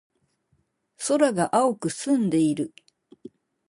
空が青く澄んでいる。